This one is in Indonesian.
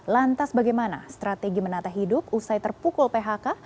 lantas bagaimana strategi menata hidup usai terpukul phk